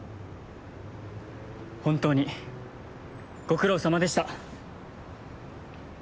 本当にご苦労さまでした。